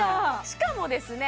しかもですね